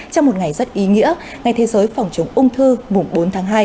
trong một ngày rất ý nghĩa ngày thế giới phòng chống ung thư mùng bốn tháng hai